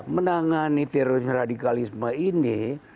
menangani terorisme radikalisme ini